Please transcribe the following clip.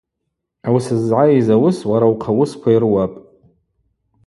Ауи сыззгӏайыз ауыс уара ухъа уысква йрыуапӏ.